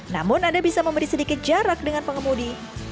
namun anda bisa memberi sedikit jarak dengan pengemudi